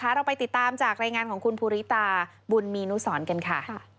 เราไปติดตามจากรายงานของคุณภูริตาบุญมีนุสรกันค่ะ